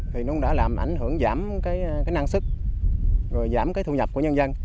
thì nó đã làm ảnh hưởng giảm cái năng sức rồi giảm cái thu nhập của nhân dân